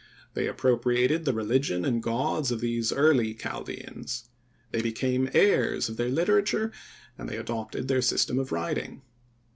They appropriated the religion and gods of these early Chaldeans. They became heirs of their literature and they adopted their system of writing.